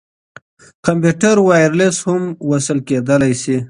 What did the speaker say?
کمپيوټر وايرلس هم وصل کېدلاى سي.